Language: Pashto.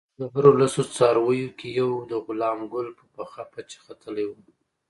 د هرو لسو څارویو کې یو د غلام ګل په پخه پچه ختلی وو.